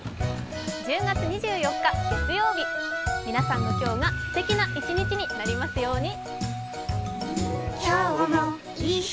１０月２４日月曜日、皆さんの今日がすてきな一日になりますように。